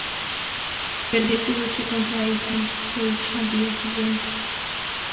Perdió su lucha contra Ethan Page al día siguiente.